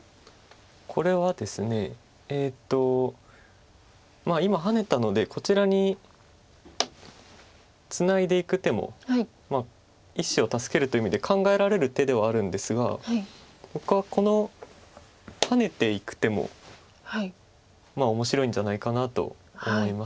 これはですねまあ今ハネたのでこちらにツナいでいく手も１子を助けるという意味で考えられる手ではあるんですが僕はこのハネていく手も面白いんじゃないかなと思います。